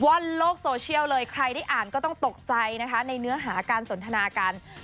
่อนโลกโซเชียลเลยใครได้อ่านก็ต้องตกใจนะคะในเนื้อหาการสนทนากัน